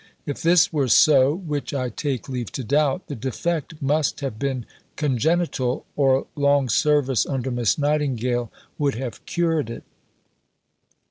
If this were so (which I take leave to doubt), the defect must have been congenital, or long service under Miss Nightingale would have cured it.